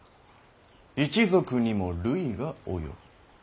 一族にも累が及ぶ。